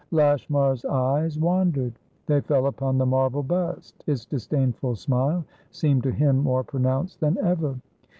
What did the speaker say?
Lashmar's eyes wandered. They fell upon the marble bust; its disdainful smile seemed to him more pronounced than ever.